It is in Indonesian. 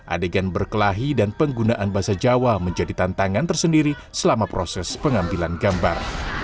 adegan berkelahi dan penggunaan bahasa jawa menjadi tantangan tersendiri selama proses pengambilan gambar